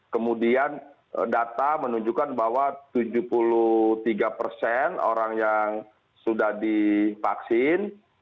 kemudian data menunjukkan bahwa tujuh puluh tiga persen orang yang sudah divaksin